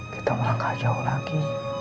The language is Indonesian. kita mulai gak jauh lagi